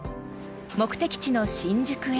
［目的地の新宿へ］